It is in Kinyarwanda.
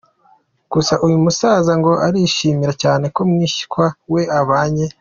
Gusa uyu musaza ngo arishimira cyane ko mwishywa we abanye.